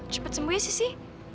cepet sembuh ya sissy